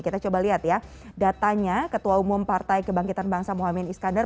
kita coba lihat ya datanya ketua umum partai kebangkitan bangsa mohamad iskandar